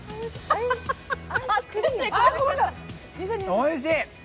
おいしい！